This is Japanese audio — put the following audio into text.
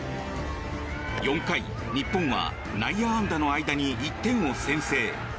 ４回、日本は内野安打の間に１点を先制。